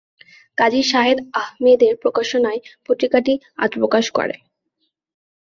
কাজী শাহেদ আহমেদের প্রকাশনায় পত্রিকাটি আত্মপ্রকাশ করে।